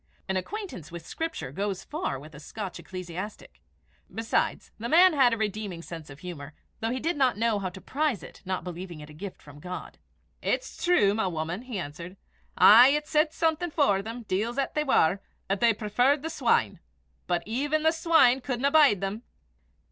An acquaintance with Scripture goes far with a Scotch ecclesiastic. Besides, the man had a redeeming sense of humour, though he did not know how to prize it, not believing it a gift of God. "It's true, my woman," he answered. "Aye! it said something for them, deils 'at they war, 'at they preferred the swine. But even the swine cudna bide them!"